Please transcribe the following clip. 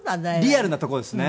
リアルなとこですね。